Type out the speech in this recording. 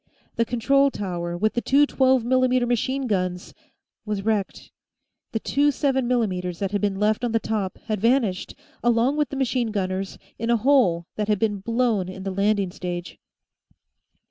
The control tower, with the two 12 mm machine guns, was wrecked. The two 7 mm's that had been left on the top had vanished, along with the machine gunners, in a hole that had been blown in the landing stage.